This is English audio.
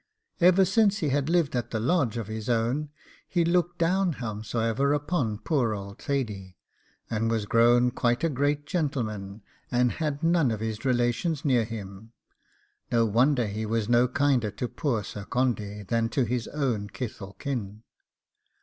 Ever since he had lived at the Lodge of his own he looked down, howsomever, upon poor old Thady, and was grown quite a great gentleman, and had none of his relations near him; no wonder he was no kinder to poor Sir Condy than to his own kith or kin.